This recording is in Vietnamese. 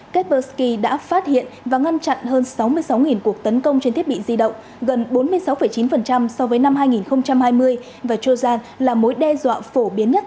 carbuski đã phát hiện và ngăn chặn hơn sáu mươi sáu cuộc tấn công trên thiết bị di động gần bốn mươi sáu chín so với năm hai nghìn hai mươi và chojan là mối đe dọa phổ biến nhất